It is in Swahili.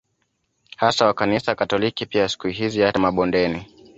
Hasa wa kanisa katoliki pia Siku hizi hata mabondeni